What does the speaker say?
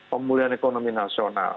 pemulihan ekonomi nasional